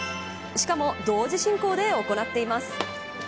しかも同時進行で行っています。